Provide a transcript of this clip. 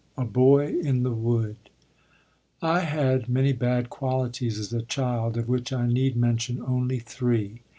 A BOY IN THE WOOD I had many bad qualities as a child, of which I need mention only three.